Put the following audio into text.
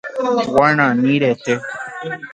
Guarani rete.